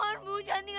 hai si budakurnya